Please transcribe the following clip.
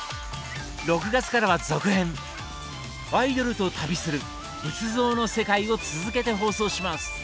６月からは続編「アイドルと旅する仏像の世界」を続けて放送します！